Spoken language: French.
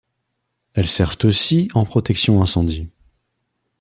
Elles servent aussi en protection incendie.